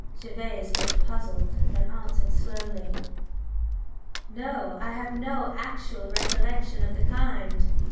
Gervase looked puzzled, then answered slowly: "No, I have no actual recollection of the kind.